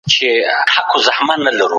له آدمه تر دې دمه دا قانون دی